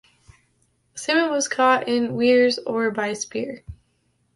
Salmon was caught in weirs or by spear.